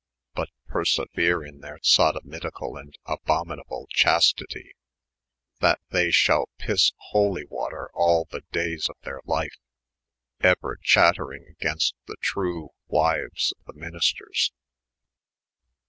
but perseuer in their Sodomiticall & abhominable cfaasti tee, that they shall pysse holy water all the dayes of their lyfe, euer chatteryng agaynsfc the trewe wyues of the Ministers.